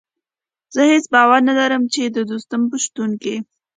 زه هېڅ باور نه لرم چې د دوستم په شتون کې.